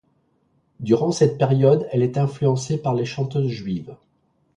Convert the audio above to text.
Durant cette période, elle est influencée par les chanteuses juives.